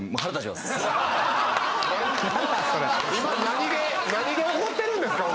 何で怒ってるんですか？